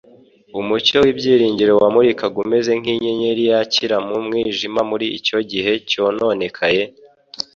umucyo w'ibyiringiro wamurikaga umeze nk'inyenyeri yakira mu mwijima muri icyo gihe cyononekaye.